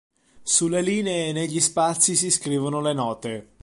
Sulle linee e negli spazi si scrivono le note.